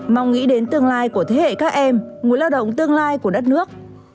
mong nghĩ đến tương lai của thế hệ các em nguồn lao động tương lai của đất nước